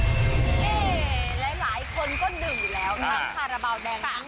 และหลายคนก็ดื่มอยู่แล้วน้ำฝาคาราบาวแดง